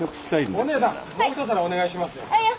もう一皿お願いしますよ。